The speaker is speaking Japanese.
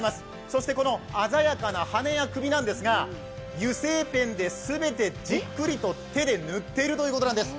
そしてこの鮮やかな羽や首なんですが、油性ペンで全て、じっくりと手で塗っているということなんです。